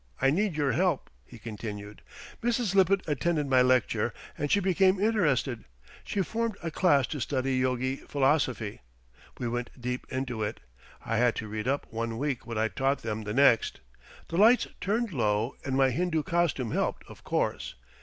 I need your help," he continued. "Mrs. Lippett attended my lecture, and she became interested. She formed a class to study yogi philosophy. We went deep into it. I had to read up one week what I taught them the next. The lights turned low and my Hindoo costume helped, of course.